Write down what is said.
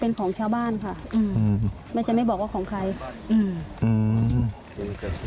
เป็นของชาวบ้านค่ะอืมแม่จะไม่บอกว่าของใครอืมอืม